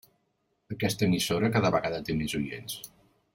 Aquesta emissora cada vegada té més oients.